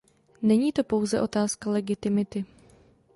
Není to pouze otázka legitimity.